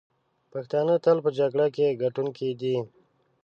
پښتانه تل په جګړه کې ګټونکي دي.